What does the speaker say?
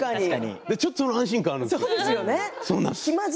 ちょっと安心感はあるんですよ。